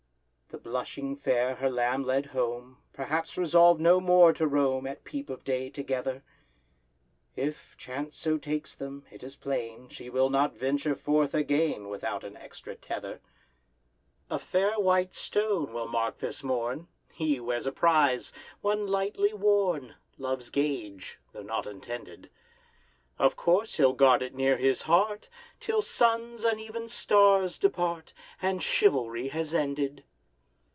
The blushing Fair her lamb led home, Perhaps resolved no more to roam At peep of day together; If chance so takes them, it is plain She will not venture forth again Without an extra tether. A fair white stone will mark this morn— He wears a prize, one lightly worn, Love's gage (though not intended); Of course he'll guard it near his heart, Till suns and even stars depart, And chivalry has ended.